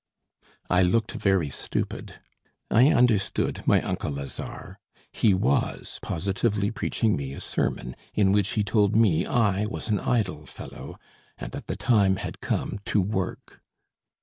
I looked very stupid. I understood my uncle Lazare. He was positively preaching me a sermon, in which he told me I was an idle fellow and that the time had come to work.